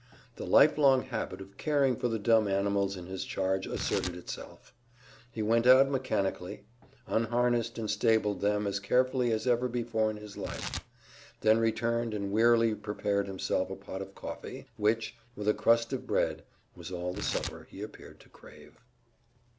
The lifelong habit of caring for the dumb animals in his charge asserted itself. He went out mechanically, unharnessed and stabled them as carefully as ever before in his life, then returned and wearily prepared himself a pot of coffee, which, with a crust of bread, was all the supper he appeared to crave.